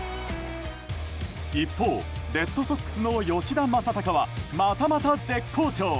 一方レッドソックスの吉田正尚は、またまた絶好調。